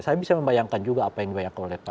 saya bisa membayangkan juga apa yang dibayangkan oleh